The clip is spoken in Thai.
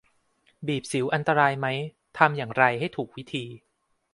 บีบสิวอันตรายไหม ทำอย่างไรให้ถูกวิธี